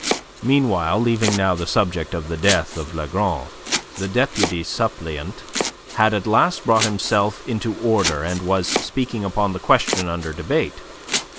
Meanwhile, leaving now the subject of the death of Lagron, the deputy suppleant had at last brought himself into order, and was speaking upon the question under debate.